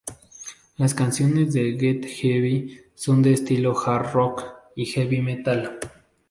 Las canciones de "Get Heavy" son de estilo "hard rock" y "heavy metal".